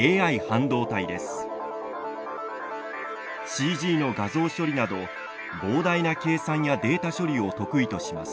ＣＧの画像処理など膨大な計算やデータ処理を得意とします。